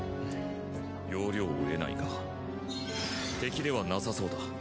要領を得ないが敵ではなさそうだ。